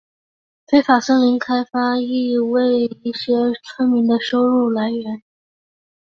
非法森林开发亦为一些村民的收入来源。